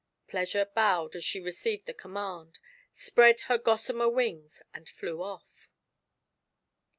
Pleasui e bowed as she received the command, spread her gossamer wings, and flew off.